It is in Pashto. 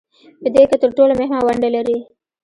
په دې کې تر ټولو مهمه ونډه لري